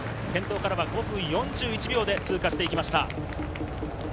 先頭からは５分４１秒で通過していきました。